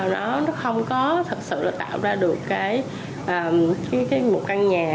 nó không có thật sự là tạo ra được cái một căn nhà